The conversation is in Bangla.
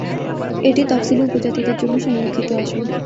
এটি তফসিলি উপজাতিদের জন্য সংরক্ষিত আসন।